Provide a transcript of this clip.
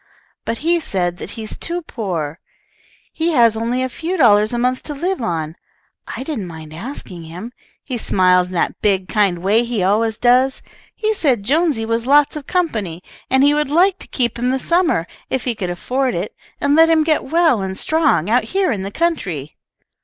But he said that he is too poor. He has only a few dollars a month to live on. I didn't mind asking him. He smiled in that big, kind way he always does. He said Jonesy was lots of company, and he would like to keep him this summer, if he could afford it, and let him get well and strong out here in the country."